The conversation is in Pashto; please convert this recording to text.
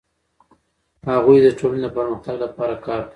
هغوی د ټولنې د پرمختګ لپاره کار کوي.